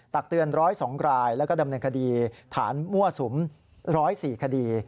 ตักเตือน๑๐๒รายแล้วก็ดำเนินคดีฐานมั่วสุม๑๐๔คดี